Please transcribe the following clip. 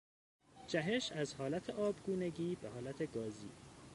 جهش از حالت آبگونگی به حالت گازی